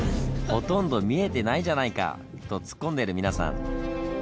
「ほとんど見えてないじゃないか！」とツッコんでる皆さん。